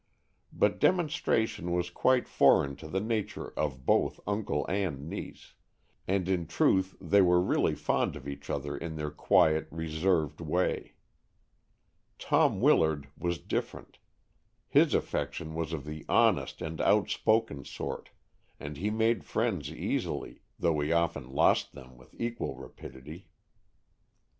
But demonstration was quite foreign to the nature of both uncle and niece, and in truth they were really fond of each other in their quiet, reserved way. Tom Willard was different. His affection was of the honest and outspoken sort, and he made friends easily, though he often lost them with equal rapidity.